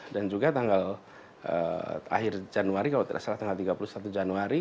dan juga tanggal akhir januari kalau tidak salah tanggal tiga puluh satu januari